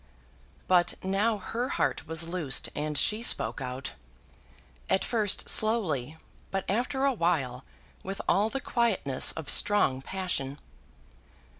But now her heart was loosed and she spoke out, at first slowly, but after a while with all the quietness of strong passion.